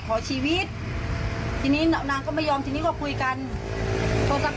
และที่นี้ผู้หญิงก็ไม่ยอมก็ชักมีดเต่ากันตลอดเวลา